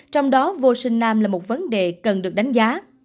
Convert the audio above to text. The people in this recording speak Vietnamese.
trong đó vô sinh nam là một vấn đề cần được đánh giá